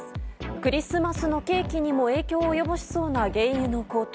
クリスマスのケーキにも影響を及ぼしそうな原油の高騰。